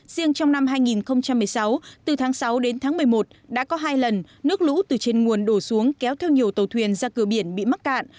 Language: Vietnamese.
riêng trong năm hai nghìn một mươi sáu từ tháng sáu đến tháng một mươi một đã có hai lần nước lũ từ trên nguồn đổ xuống kéo theo nhiều tàu thuyền ra cửa biển bị mắc cạn